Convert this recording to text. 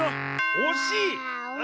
おしい？